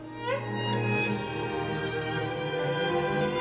えっ？